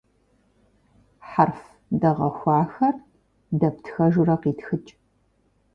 Хьэрф дэгъэхуахэр дэптхэжурэ къитхыкӏ.